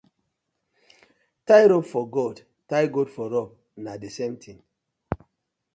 Tie rope for goat, tie goat for rope, na the same thing.